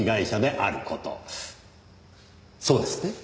そうですね？